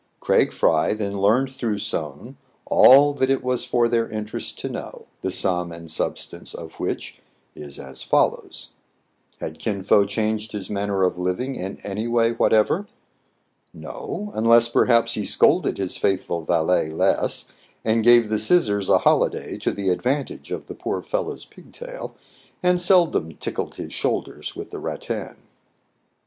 Craig Fry then learned through Soun all that it was for their interest to know, the sum and sub stance of which is as follows :— Had Kin Fo changed his manner of living in any way whatever } No : unless, perhaps, he scolded his faithful valet less, and gave the scissors a holiday to the advan tage of the poor fellow's pigtail, and seldom tickled his shoulders with the rattan.